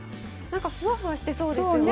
ふわふわしてそうですよね。